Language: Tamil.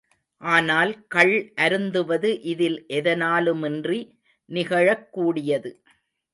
ஆனால் கள் அருந்துவது இதில் எதனாலுமின்றி நிகழக்கூடியது.